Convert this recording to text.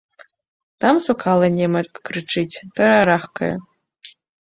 Там сукала нема крычыць, тарарахкае.